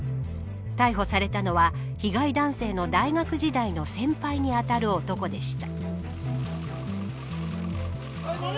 逮捕されたのは、被害男性の大学時代の先輩にあたる男でした。